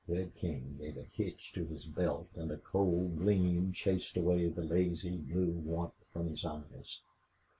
Red King gave a hitch to his belt and a cold gleam chased away the lazy blue warmth from his eyes.